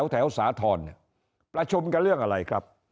สาธรณ์ประชุมกันเรื่องอะไรครับ